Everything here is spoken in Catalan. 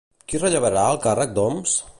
Qui rellevarà el càrrec d'Homs?